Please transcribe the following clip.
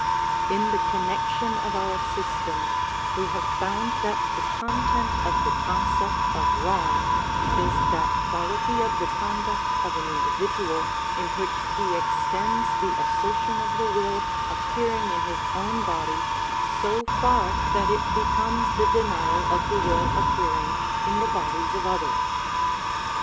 In the connection of our system we have found that the content of the concept of wrong is that quality of the conduct of an individual in which he extends the assertion of the will appearing in his own body so far that it becomes the denial of the will appearing in the bodies of others.